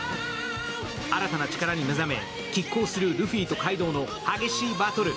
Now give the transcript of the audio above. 新たな力に目覚め、拮抗するルフィとカイドウの激しいバトル。